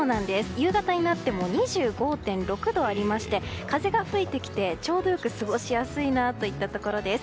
夕方になっても２５．６度ありまして風が吹いてきてちょうどよく過ごしやすいなといったところです。